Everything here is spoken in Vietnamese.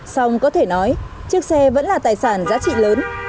xong có thể nói chiếc xe vẫn là tài sản giá trị lớn